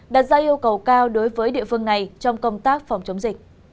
đặt ra yêu cầu cao đối với địa phương này trong công tác phòng chống dịch